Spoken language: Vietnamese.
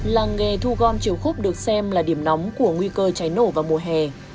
làng nghề thu gon triều khúc được xem là điểm nóng của nguy cơ cháy nổ vào mùa hè